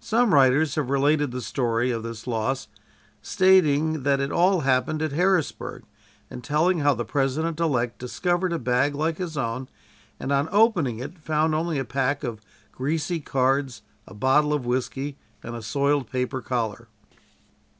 Some writers have related the story of this loss, stating that it all happened at Harrisburg, and telling how the President elect discovered a bag like his own, and on opening it found only a pack of greasy cards, a bottle of whisky and a soiled paper collar.